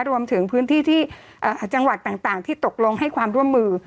รวมถึงพื้นที่ที่จังหวัดต่างที่ตกลงให้ความร่วมมือ